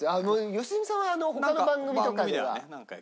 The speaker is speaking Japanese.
良純さんは他の番組とかでは何回かは。